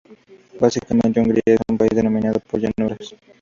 Básicamente, Hungría es un país dominado por llanuras.